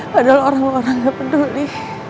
padahal orang orang gak peduli